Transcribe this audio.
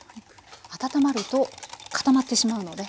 温まると固まってしまうので。